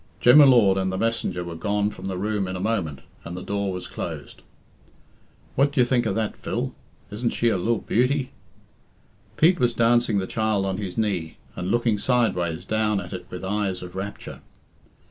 Jem y Lord and the messenger were gone from the room in a moment, and the door was closed. "What d'ye think of that, Phil? Isn't she a lil beauty?" Pete was dancing the child on his knee and looking sideways down at it with eyes of rapture.